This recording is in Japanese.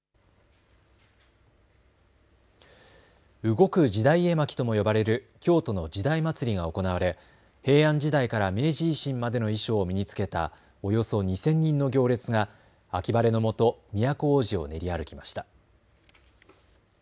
動く時代絵巻とも呼ばれる京都の時代祭が行われ平安時代から明治維新までの衣装を身に着けたおよそ２０００人の行列が秋晴れのもと、都大路を練り歩きました。